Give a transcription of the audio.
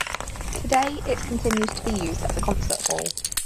Today, it continues to be used as a concert hall.